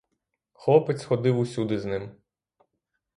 Хлопець ходив усюди з ним.